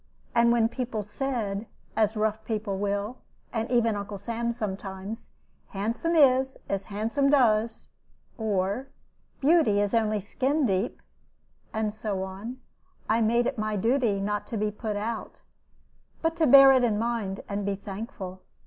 And when people said, as rough people will, and even Uncle Sam sometimes, "Handsome is as handsome does," or "Beauty is only skin deep," and so on, I made it my duty not to be put out, but to bear it in mind and be thankful.